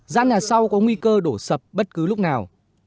gian nhà sau có nguy cơ đổ sập bất cứ lúc nào